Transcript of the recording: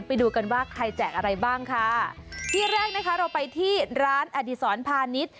ไปดูกันว่าใครแจกอะไรบ้างค่ะที่แรกนะคะเราไปที่ร้านอดีศรพาณิชย์